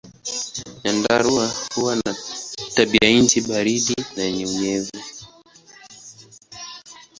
Nyandarua huwa na tabianchi baridi na yenye unyevu.